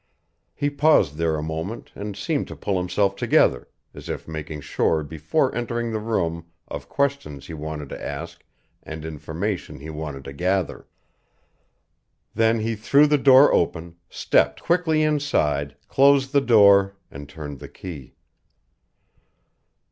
He paused there a moment and seemed to pull himself together, as if making sure before entering the room of questions he wanted to ask and information he wanted to gather. Then he threw the door open, stepped quickly inside, closed the door, and turned the key.